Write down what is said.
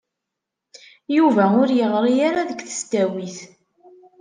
Yuba ur yeɣri ara deg tesdawit.